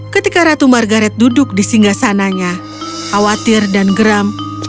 ketika ratu margaret duduk di singgah sananya khawatir dan geram